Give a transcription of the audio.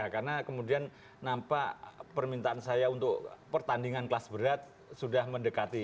karena kemudian nampak permintaan saya untuk pertandingan kelas berat sudah mendekati